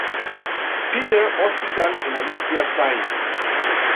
Peter Hospital en Olympia, St.